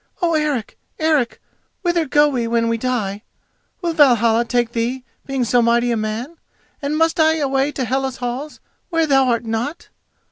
"Oh, Eric! Eric! whither go we when we die? Will Valhalla take thee, being so mighty a man, and must I away to Hela's halls, where thou art not?